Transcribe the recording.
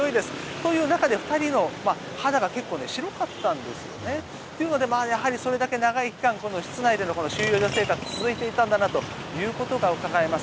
という中で２人の肌が結構白かったんですよね。というのは、それだけ長い期間室内で収容所生活が続いていたんだなということがうかがえます。